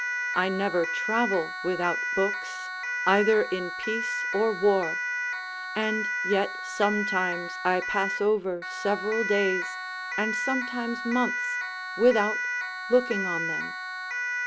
I never travel without books, either in peace or war; and yet sometimes I pass over several days, and sometimes months, without looking on them.